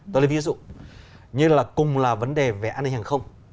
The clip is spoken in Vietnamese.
tôi lấy ví dụ như là cùng là vấn đề về an ninh hàng không